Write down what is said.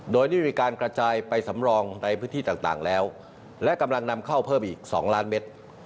โดยได้มีการกระจายไปสำรองในพื้นที่ต่างแล้วและกำลังนำเข้าเพิ่มอีก๒ล้านเมตร